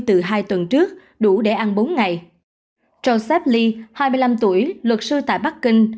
từ hai tuần trước đủ để ăn bốn ngày johney hai mươi năm tuổi luật sư tại bắc kinh